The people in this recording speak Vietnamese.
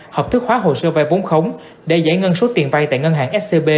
hợp thức hóa hồ sơ vay vốn khống để giải ngân số tiền vay tại ngân hàng scb